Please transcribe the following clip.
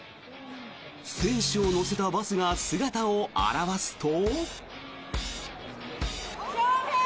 選手を乗せたバスが姿を現すと。